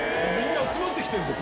集まってきてるんだ。